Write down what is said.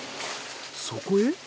そこへ。